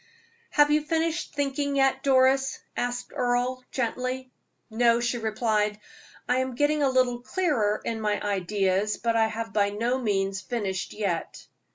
"Have you finished thinking yet, Doris?" asked Earle, gently. "No," she replied. "I am getting a little clearer in my ideas, but I have by no means finished yet."